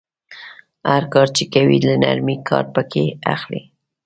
هر کار چې کوئ له نرمۍ کار پکې اخلئ.